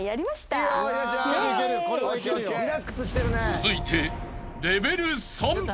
［続いて］